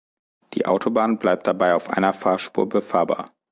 Die Autobahn bleibt dabei auf einer Fahrspur befahrbar.